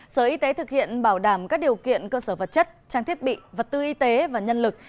sở y tế thực hiện bảo đảm các điều kiện cơ sở vật chất trang thiết bị vật tư y tế và nhân lực